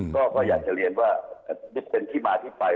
ก็อยากจะเรียนว่าเป็นที่มาที่ไป